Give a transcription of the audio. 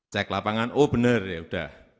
cek lapangan oh benar ya sudah